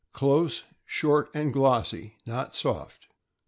— Close, short, and glossy, not soft.